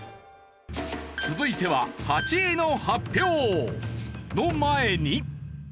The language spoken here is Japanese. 続いては８位の発表！の前に。